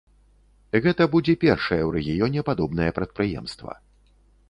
Гэта будзе першае ў рэгіёне падобнае прадпрыемства.